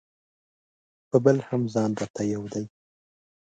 په بل هم ځان راته یو دی.